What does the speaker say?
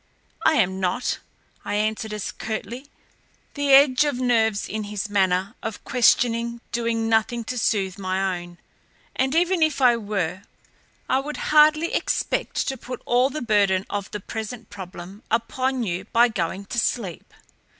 "I am not," I answered as curtly; the edge of nerves in his manner of questioning doing nothing to soothe my own, "and even if I were I would hardly expect to put all the burden of the present problem upon you by going to sleep."